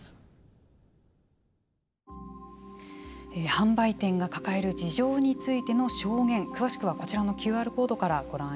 販売店が抱える事情についての証言詳しくはこちらのＱＲコードからご覧いただけます。